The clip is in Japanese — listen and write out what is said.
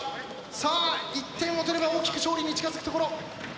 さあ１点を取れば大きく勝利に近づくところ。